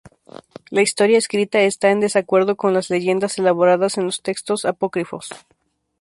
La historia escrita está en desacuerdo con las leyendas elaboradas en los textos apócrifos.